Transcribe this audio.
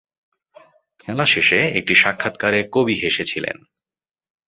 খেলা শেষে একটি সাক্ষাৎকারে কবি হেসেছিলেন।